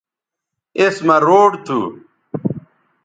اس مہ روڈ تھو